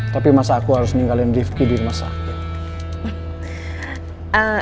tapi masa aku harus ninggalin rifki di masa aku